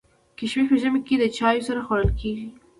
کشمش په ژمي کي د چايو سره خوړل کيږي.